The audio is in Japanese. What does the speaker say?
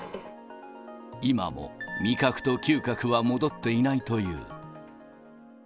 今も味覚と嗅覚は戻っていないという。